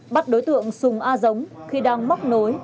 bắt đối tượng sùng a giống khi đang móc nối